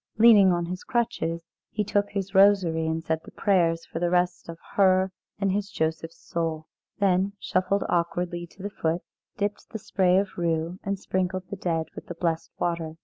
Leaning on his crutches, he took his rosary and said the prayers for the rest of her and his Joseph's soul; then shuffled awkwardly to the foot, dipped the spray of rue, and sprinkled the dead with the blessed water.